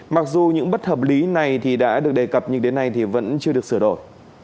mặc dù những bất hợp lý này đã được đề cập nhưng đến nay vẫn chưa được sửa đổi